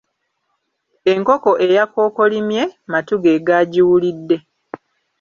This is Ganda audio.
Enkoko eyakokolimye, matu ge gaagiwulidde.